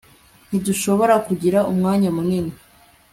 ntidushobora kugira umwanya munini